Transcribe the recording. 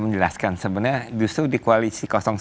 menjelaskan sebenarnya justru di koalisi satu